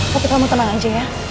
tapi kamu tenang aja ya